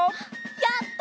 やった！